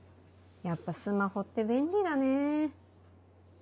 やっぱスマホって便利だねぇ。